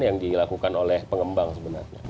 yang dilakukan oleh pengembang sebenarnya